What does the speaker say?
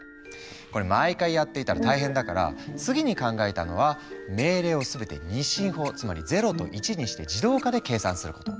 これ毎回やっていたら大変だから次に考えたのは命令を全て２進法つまり０と１にして自動化で計算すること。